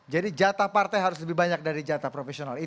jadi jatah partai harus lebih banyak dari jatah profesional